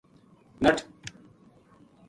نٹھ